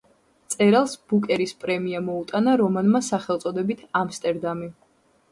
მწერალს ბუკერის პრემია მოუტანა რომანმა სახელწოდებით „ამსტერდამი“.